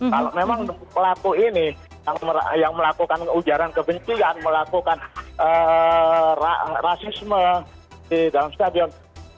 kalau memang pelaku ini yang melakukan ujaran kebencian melakukan rasisme di dalam stadion